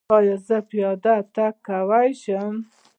ایا زه پیاده تګ کولی شم؟